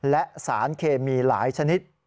และสารเคมีหลายชนิด